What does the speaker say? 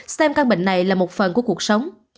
xem căn bệnh này là một phần của cuộc sống